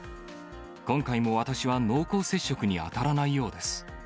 今回も私は濃厚接触に当たらないようです。